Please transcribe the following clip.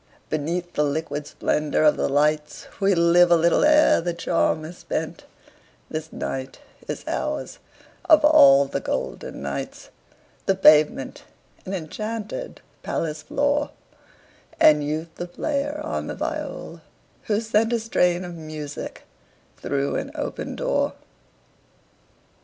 Beneath the liquid splendor of the lights We live a little ere the charm is spent; This night is ours, of all the golden nights, The pavement an enchanted palace floor, And Youth the player on the viol, who sent A strain of music through an open door.